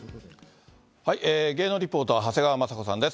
芸能リポーター、長谷川まさ子さんです。